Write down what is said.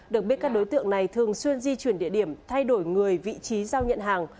được biết các đối tượng này thường xuyên di chuyển địa điểm thay đổi người vị trí giao nhận hàng